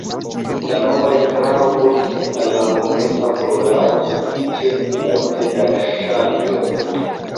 La nova estraro portis al la kongresa programo sufiĉe multe da ŝanĝoj.